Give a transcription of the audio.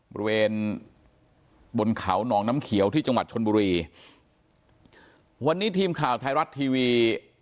บริเวณบนเขาหนองน้ำเขียวที่จังหวัดชนบุรีวันนี้ทีมข่าวไทยรัฐทีวี